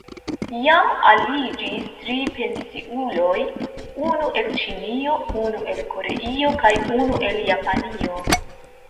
Jam aliĝis tri pensiuloj: unu el Ĉinio, unu el Koreio kaj unu el Japanio.